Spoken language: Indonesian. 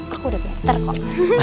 aku udah pinter kok